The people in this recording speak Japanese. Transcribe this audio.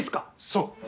そう！